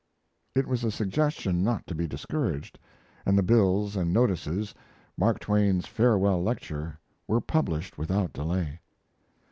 It was a suggestion not to be discouraged, and the bills and notices, "Mark Twain's Farewell Lecture," were published without delay.